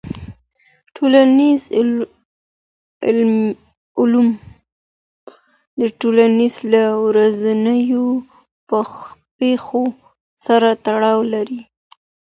ټولنیز علوم د ټولني له ورځنیو پېښو سره تړاو لري.